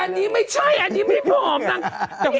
อันนี้ไม่ใช่อันนี้ไม่ผอมนาง